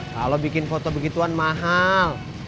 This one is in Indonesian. kalau bikin foto begituan mahal